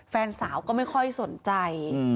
แฟนสาวก็ไม่ค่อยสนใจ